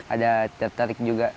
ada tertarik juga